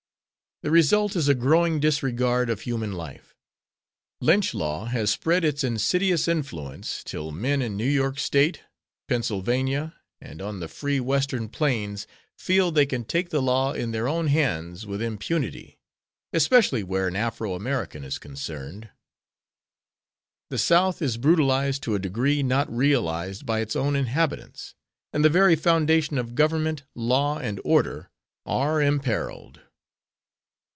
The result is a growing disregard of human life. Lynch law has spread its insiduous influence till men in New York State, Pennsylvania and on the free Western plains feel they can take the law in their own hands with impunity, especially where an Afro American is concerned. The South is brutalized to a degree not realized by its own inhabitants, and the very foundation of government, law and order, are imperilled.